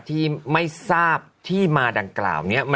ที่ไม่ทราบที่มาดังกล่าวนี้